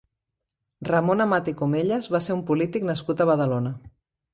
Ramon Amat i Comellas va ser un polític nascut a Badalona.